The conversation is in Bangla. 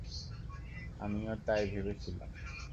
আমিও তাই ভেবেছিলাম।